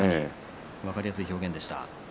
分かりやすい表現でした。